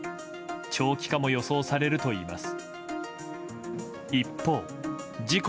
長期化も予想されるといいます。